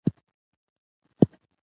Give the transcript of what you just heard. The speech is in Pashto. غزني د افغانستان د اقتصاد برخه ده.